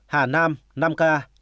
hà nam năm ca